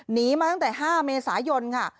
หนีมาตั้งแต่๕เมษายนค่ะ